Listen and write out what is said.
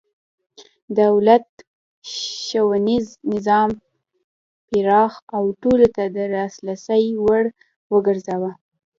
دولت ښوونیز نظام پراخ او ټولو ته د لاسرسي وړ وګرځاوه.